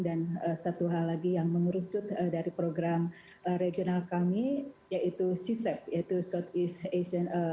dan satu hal lagi yang mengerucut dari program regional kami yaitu csep yaitu south east asian